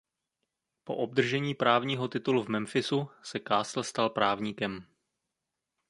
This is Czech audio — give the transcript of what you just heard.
Po obdržení právního titulu v Memphisu se Castle stal právníkem.